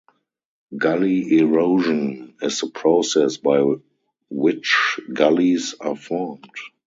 Gully erosion is the process by which gullies are formed.